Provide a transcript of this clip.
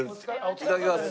いただきます。